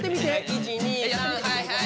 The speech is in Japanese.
１２３はいはい。